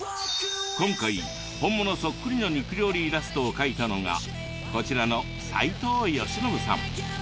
今回本物そっくりの肉料理イラストを描いたのがこちらの斉藤幸延さん。